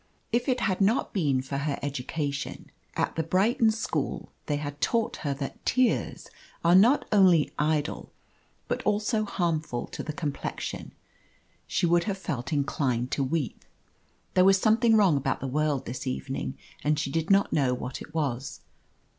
If it had not been for her education at the Brighton school they had taught her that tears are not only idle, but also harmful to the complexion she would have felt inclined to weep. There was something wrong about the world this evening, and she did not know what it was.